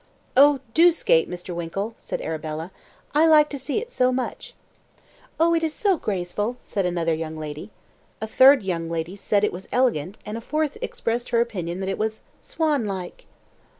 "Oh, do skate, Mr. Winkle," said Arabella. "I like to see it so much." "Oh, it is so graceful," said another young lady. A third young lady said it was elegant, and a fourth expressed her opinion that it was "swan like."